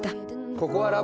ここはラボ。